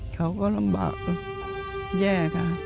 เขาก็ลำบากแย่ค่ะ